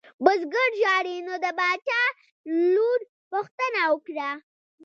بزګر ژاړي نو د باچا لور پوښتنه وکړه.